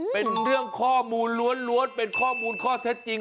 เป็นเรื่องข้อมูลล้วนเป็นข้อมูลข้อเท็จจริง